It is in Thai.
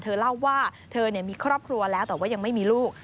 เธอเล่าว่าเธอมีครอบครัวแล้วแต่ว่ายังไม่มีลูก